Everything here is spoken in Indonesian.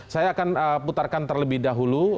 saya akan putarkan terlebih dahulu